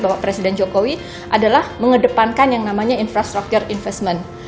bapak presiden jokowi adalah mengedepankan yang namanya infrastructure investment